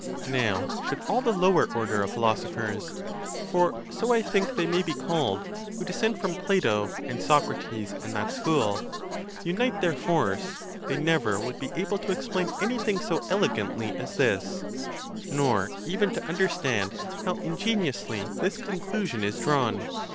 Now, should all the lower order of philosophers (for so I think they may be called who dissent from Plato and Socrates and that school) unite their force, they never would be able to explain anything so elegantly as this, nor even to understand how ingeniously this conclusion is drawn.